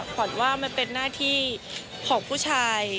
ขวัญว่ามันเป็นหน้าที่ของผู้ชาย